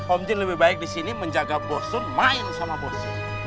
om jin lebih baik disini menjaga bos jun main sama bos jin